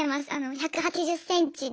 １８０ｃｍで。